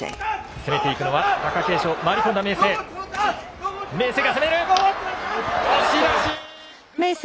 攻めていくのは貴景勝、回り込んだ、明生。